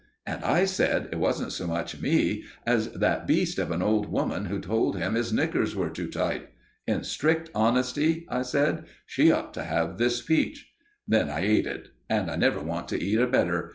And I said it wasn't so much me as that beast of an old woman who told him his knickers were too tight. "In strict honesty," I said, "she ought to have this peach." Then I ate it, and never want to eat a better.